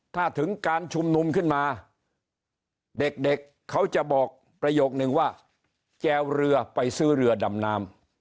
ถ้าถึงการชุมนุมขึ้นมาเด็กเขาจะบอกประโยคนึงว่าแจวเรือไปซื้อเรือดำน้ำ